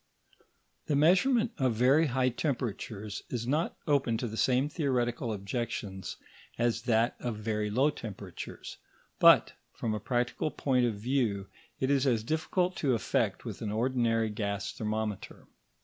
The measurement of very high temperatures is not open to the same theoretical objections as that of very low temperatures; but, from a practical point of view, it is as difficult to effect with an ordinary gas thermometer.